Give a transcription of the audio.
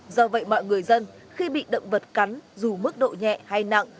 do vậy mọi người dân khi bị động vật cắn dù mức độ nhẹ hay nặng